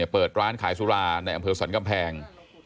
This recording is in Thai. เปิดร้านขายสุราในอำเภอสรรกำแพง